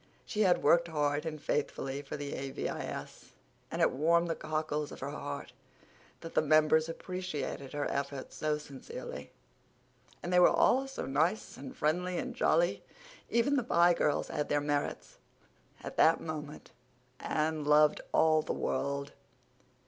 She had worked hard and faithfully for the A.V.I.S., and it warmed the cockles of her heart that the members appreciated her efforts so sincerely. And they were all so nice and friendly and jolly—even the Pye girls had their merits; at that moment Anne loved all the world.